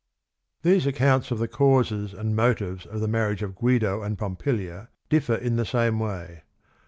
The accounts of the causes and motives of the marriage of Guido and Pompilia differ in the same way.